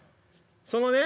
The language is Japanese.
そのね